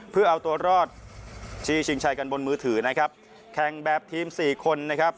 เพื่อเอาตัวรอดที่ชิงชัยกันบนมือถือนะครับแข่งแบบทีมสี่คนนะครับ